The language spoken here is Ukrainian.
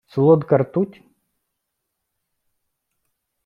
Солодка ртуть...